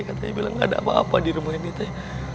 katanya bilang gak ada apa apa di rumah ini teh